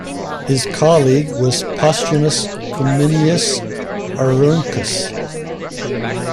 His colleague was Postumus Cominius Auruncus.